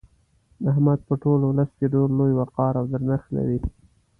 احمد په ټول ولس کې ډېر لوی وقار او درنښت لري.